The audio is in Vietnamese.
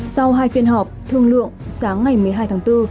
sau hai phiên họp thương lượng sáng ngày một mươi hai tháng bốn